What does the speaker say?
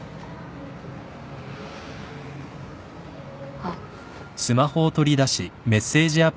あっ。